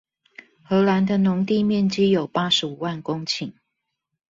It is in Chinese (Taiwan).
荷蘭的農地面積有八十五萬公頃